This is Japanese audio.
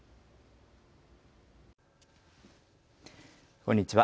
こんにちは。